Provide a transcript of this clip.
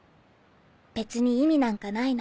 別に意味なんかないの。